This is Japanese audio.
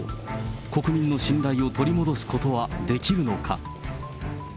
国民の信頼を取り戻すことはできるのか。